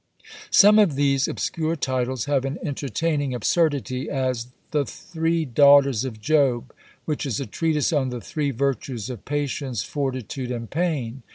Some of these obscure titles have an entertaining absurdity; as "The Three Daughters of Job," which is a treatise on the three virtues of patience, fortitude, and pain.